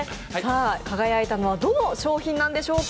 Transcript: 輝いたのはどの商品なんでしょうか。